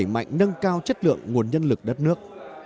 đẩy mạnh nâng cao chất lượng nguồn nhân lực đất nước